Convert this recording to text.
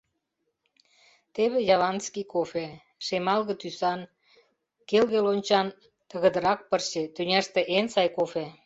— Теве яванский кофе, — шемалге тӱсан, келге лончан тыгыдырак пырче, — тӱняште эн сай кофе.